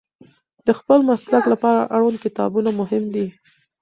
د خپل مسلک لپاره اړوند کتابونه مهم دي.